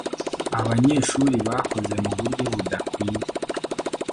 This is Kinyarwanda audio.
Abanyeshuri bakoze muburyo budakwiye.